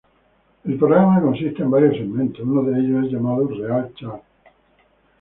El programa consiste en varios segmentos, uno de ellos es llamado "Real Chart!